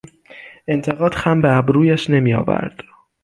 انتقاد خم به ابرویش نمیآورد.